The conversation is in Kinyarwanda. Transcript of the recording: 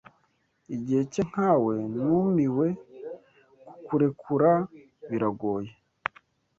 igihe cye nkawe Numiwe kukurekura biragoye